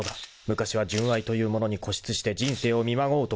［昔は純愛というものに固執して人生を見まごうところだった］